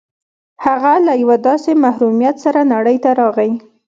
هغه له یوه داسې محرومیت سره نړۍ ته راغی